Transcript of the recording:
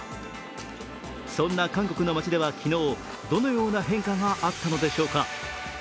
そんな韓国の街では昨日、どのような変化があったのでしょうか。